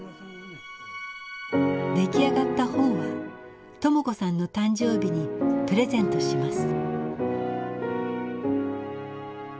出来上がった本は朋子さんの誕生日にプレゼントします。